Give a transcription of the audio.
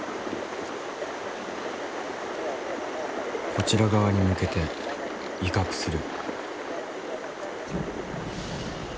こちら側に向けて威嚇する。